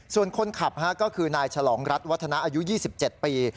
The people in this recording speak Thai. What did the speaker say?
ส่วนคนขับก็คือนายฉลองรัฐวัฒนะอายุ๒๗ปี